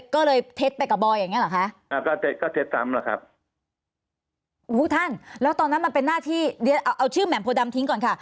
ก็เลยเท็จไปกับบอยอย่างนี้หรือคะ